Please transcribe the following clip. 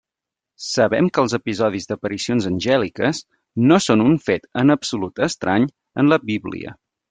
Sabem que els episodis d'aparicions angèliques no són un fet en absolut estrany en la Bíblia.